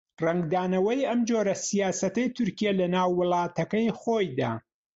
ڕەنگدانەوەی ئەم جۆرە سیاسەتەی تورکیا لەناو وڵاتەکەی خۆیدا